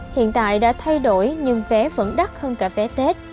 hiện tại đã thay đổi nhưng vé vẫn đắt hơn cả vé tết